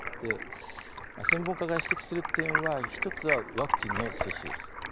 専門家が指摘する点は１つはワクチンの接種です。